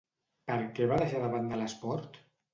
Per què va deixar de banda l'esport?